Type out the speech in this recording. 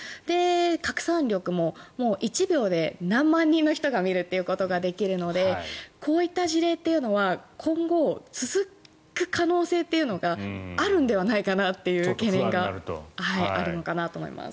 拡散力も１秒で何万人の人が見るということができるのでこういった事例というのは今後、続く可能性というのがあるのではないかなという懸念があるのかなと思います。